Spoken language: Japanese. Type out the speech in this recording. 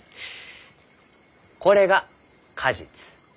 これが果実。